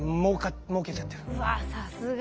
うわさすが。